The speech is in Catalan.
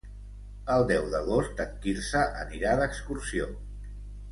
El deu d'agost en Quirze anirà d'excursió.